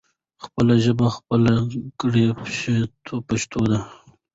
خپله ژبه خپله کړې پښتو ده.